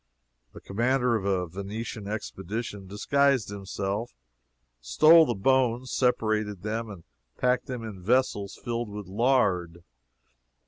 The commander of a Venetian expedition disguised himself, stole the bones, separated them, and packed them in vessels filled with lard.